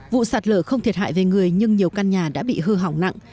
vụ sạt lở không thiệt hại về người nhưng nhiều căn nhà đã bị hư hỏng nặng